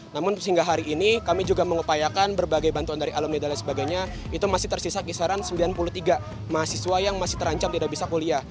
namun sehingga hari ini kami juga mengupayakan berbagai bantuan dari alumni dan lain sebagainya itu masih tersisa kisaran sembilan puluh tiga mahasiswa yang masih terancam tidak bisa kuliah